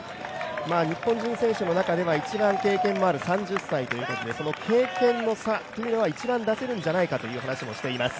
日本人選手の中では一番経験のある３０歳ということで、その経験の差、これは一番出せるんじゃないかという話もしています。